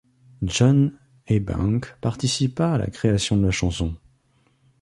John Ewbank participa à la création de la chanson.